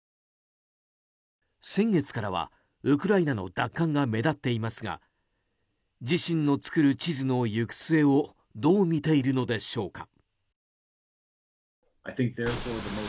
先月からは、ウクライナの奪還が目立っていますが自身の作る地図の行く末をどう見ているのでしょうか。